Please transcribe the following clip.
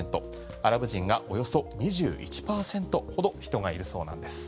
アラブ人がおよそ２１％ほど人がいるそうなんです。